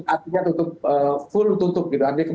artinya kita tutup